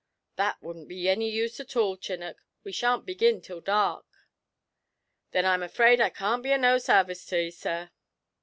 'That wouldn't be any use at all, Chinnock; we shan't begin till dark.' 'Then I'm afraid I can't be of no sarvice to 'ee, sir.'